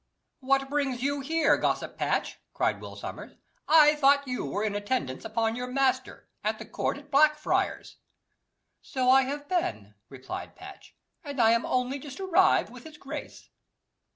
"What brings you here, gossip Patch?" cried Will Sommers. "I thought you were in attendance upon your master, at the court at Blackfriars." "So I have been," replied Patch, "and I am only just arrived with his grace."